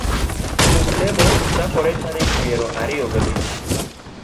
Jumb lemo chakore tarik piero ariyo gabich